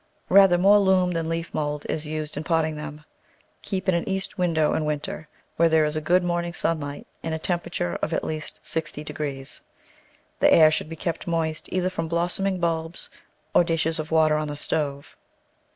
Rather more loam than leaf mould is used in potting them. Keep in an east window in winter, where there is good morning sunlight and a temperature of at least 60 degrees. The air should be kept moist, either from blossoming bulbs or dishes of water oh the stove.